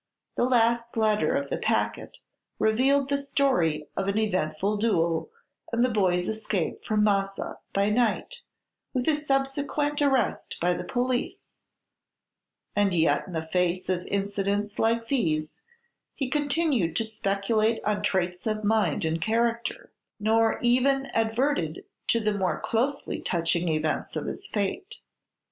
The last letter of the packet revealed the story of an eventful duel and the boy's escape from Massa by night, with his subsequent arrest by the police; and yet in the face of incidents like these he continued to speculate on traits of mind and character, nor even adverted to the more closely touching events of his fate.